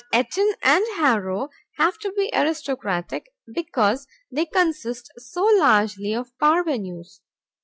But Eton and Harrow have to be aristocratic because they consist so largely of parvenues.